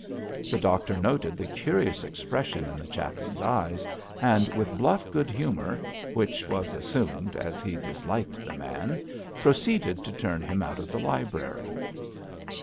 The doctor noted the curious expression in the chaplain's eyes, and with bluff good humour which was assumed, as he disliked the man proceeded to turn him out of the library.